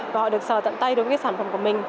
và họ được sờ tận tay đối với sản phẩm của mình